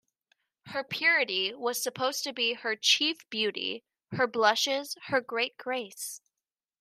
Her purity was supposed to be her chief beauty--her blushes, her great grace.